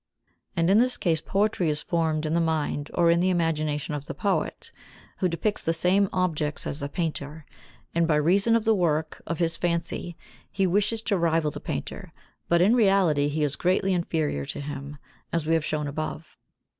And in this case poetry is formed in the mind or in the imagination of the poet, who depicts the same objects as the painter, and by reason of the work of his fancy he wishes to rival the painter, but in reality he is greatly inferior to him, as we have shown above.